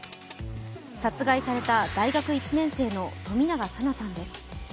殺害された大学１年生の冨永紗菜さんです。